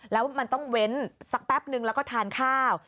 แล้วมันต้องเว้นสักแป๊บนึงแล้วก็ทานข้าว